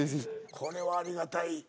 これはありがたい。